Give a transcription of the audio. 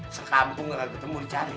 sekampung gak ketemu dicari